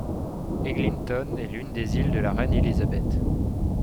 Eglinton est l'une des îles de la Reine-Élisabeth.